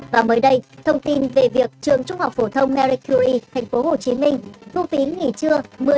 và mới đây thông tin về việc trường trung học phổ thông naricuri tp hcm thu phí nghỉ trưa